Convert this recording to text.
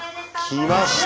きました！